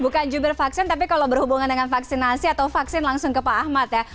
bukan jubir vaksin tapi kalau berhubungan dengan vaksinasi atau vaksin langsung ke pak ahmad ya